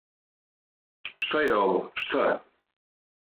Шта је ово, шта?